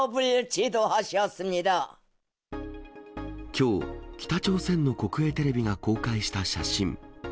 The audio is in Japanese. きょう、北朝鮮の国営テレビが公開した写真。